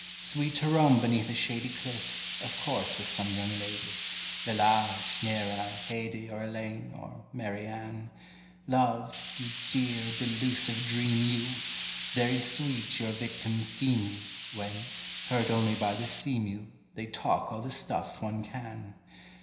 Sweet to roam beneath a shady cliff, of course with some young lady, Lalage, Neæra, Haidee, or Elaine, or Mary Ann: Love, you dear delusive dream, you! Very sweet your victims deem you, When, heard only by the seamew, they talk all the stuff one can.